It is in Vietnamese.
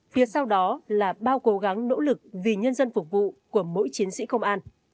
phía sau đó là bao cố gắng nỗ lực vì nhân dân phục vụ của mỗi chiến sĩ công an